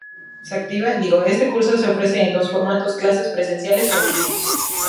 Este curso se ofrece en dos formatos, clases presenciales o en línea.